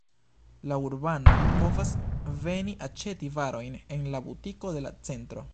La urbanoj povas veni aĉeti varojn en la butiko de la centro.